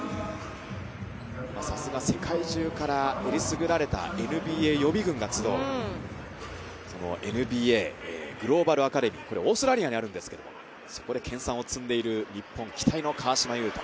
さすが世界中からえりすぐられたＮＢＡ予備軍が集う、ＮＢＡグローバルアカデミー、オーストラリアにあるんですが、そこで研さんを積んでいる日本期待の川島悠翔。